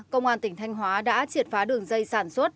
công an tỉnh thanh hóa đã triệt phá đường dây sản xuất